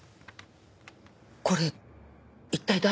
これ一体誰が？